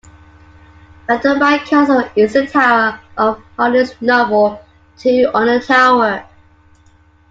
Weatherby Castle is the 'tower' of Hardy's novel "Two on a Tower".